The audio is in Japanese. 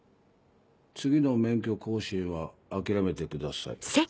次の免許更新は諦めてください。